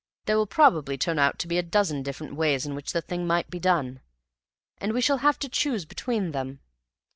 There will probably turn out to be a dozen different ways in which the thing might be done, and we shall have to choose between them.